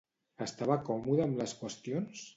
Estava còmode amb les qüestions?